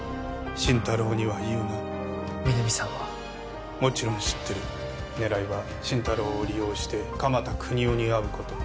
心太朗には言うな皆実さんはもちろん知ってる狙いは心太朗を利用して鎌田國士に会うこと